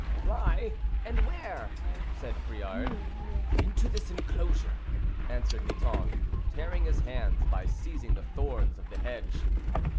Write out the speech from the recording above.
"Fly! and where?" said Friard. "Into this inclosure," answered Miton tearing his hands by seizing the thorns of the hedge.